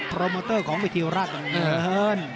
พรมอเตอร์ของวิทยาราช